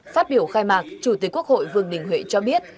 phát biểu khai mạc chủ tịch quốc hội vương đình huệ cho biết